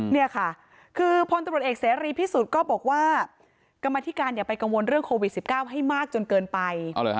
นี่ค่ะคือพลตำรวจเอกเสรีพิสุทธิ์ก็บอกว่ากรรมธิการอย่าไปกังวลเรื่องโควิด๑๙ให้มากจนเกินไป